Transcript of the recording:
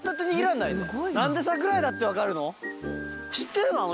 なんで櫻井だって分かるの？